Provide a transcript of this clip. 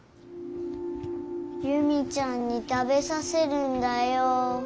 夕実ちゃんに食べさせるんだよ。